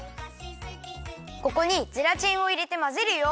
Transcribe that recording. ここにゼラチンをいれてまぜるよ。